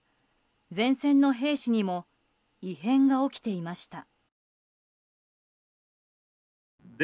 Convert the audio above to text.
前線の兵士にも異変が起きていました。